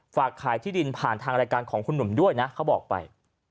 ฝากขายที่ดินผ่านทางรายการของคุณหนุ่มด้วยนะเขาบอกไป